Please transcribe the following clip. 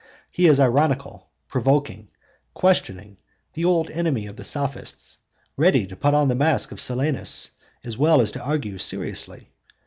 He is ironical, provoking, questioning, the old enemy of the Sophists, ready to put on the mask of Silenus as well as to argue seriously.